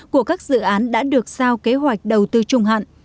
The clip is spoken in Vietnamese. của các dự án đã được sao kế hoạch đầu tư trung hạn